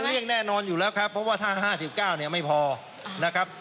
เรียกแน่นอนอยู่แล้วครับเพราะว่าถ้า๕๙เนี่ยไม่พอนะครับ